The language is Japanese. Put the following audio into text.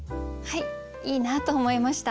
いいなと思いました。